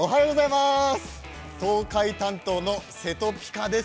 東海担当のせとぴかです。